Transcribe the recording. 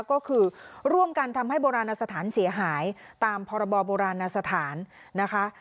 ก็คือร่วมกันทำให้โบราณสถานเสียหายตามพรบโบราณสถานนะคะ